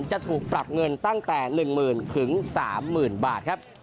จะถูกปรับเงินตั้งแต่๑๐๐๐๓๐๐บาทครับ